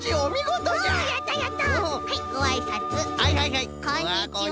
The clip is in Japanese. はいはいはいこんにちは。